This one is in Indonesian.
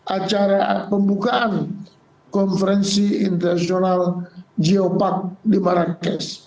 acara pembukaan konferensi internasional geopark di marrakesh